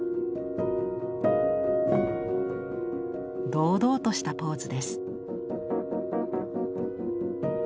堂々としたポーズです。